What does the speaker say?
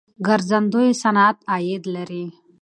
ګرځندوی صنعت عاید لري.